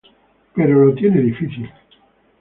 Pero lo tiene difícil.